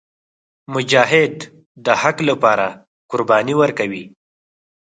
مجاهد د حق لپاره قرباني ورکوي.